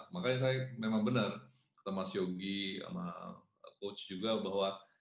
makanya saya memang benar kata mas yogi sama coach juga bahwa